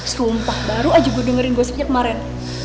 sumpah baru aja gue dengerin gosipnya kemarin